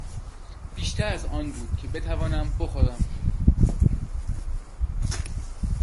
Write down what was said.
بیشتر از آن بود که بتوانم بخورم.